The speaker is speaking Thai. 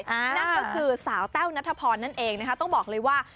ก็คือสาวแน่วณธพลนั่นเองนะคะก็ต้องบอกเลยว่า